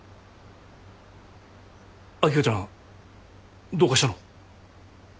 秋香ちゃんどうかしたの？